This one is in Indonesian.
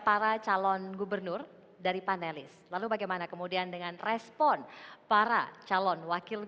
terima kasih mbak putih mbak semil